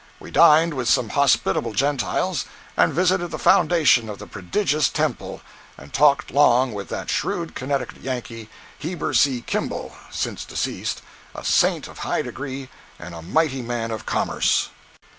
We dined with some hospitable Gentiles; and visited the foundation of the prodigious temple; and talked long with that shrewd Connecticut Yankee, Heber C. Kimball (since deceased), a saint of high degree and a mighty man of commerce.